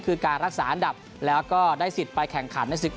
คือการรักษาอันดับแล้วก็ได้สิทธิ์ไปแข่งขันในศึก